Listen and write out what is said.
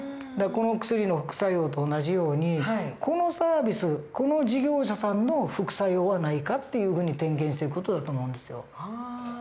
だからこの薬の副作用と同じようにこのサービスこの事業者さんの副作用はないかっていうふうに点検していく事だと思うんですよ。